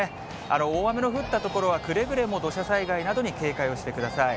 大雨の降った所は、くれぐれも土砂災害などに警戒をしてください。